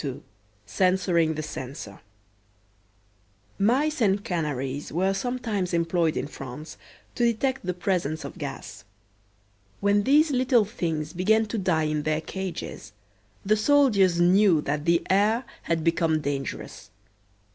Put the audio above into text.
XLII CENSORING THE CENSOR Mice and canaries were sometimes employed in France to detect the presence of gas. When these little things began to die in their cages the soldiers knew that the air had become dangerous.